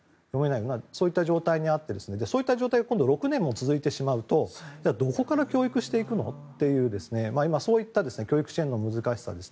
そういった状態にあってそういった状態が今度は６年も続いてしまうとどこから教育していくの？という今、そういった教育支援の難しさ。